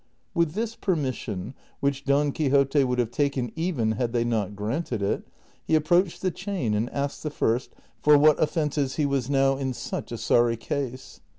With this permission, which Don Quixote would have taken even had they not granted it, he approached the chain and asked the first for what offences he was now in such a sorry case.